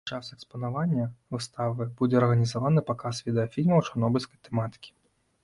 Пад час экспанавання выставы будзе арганізаваны паказ відэафільмаў чарнобыльскай тэматыкі.